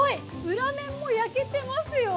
裏面も焼けてますよ。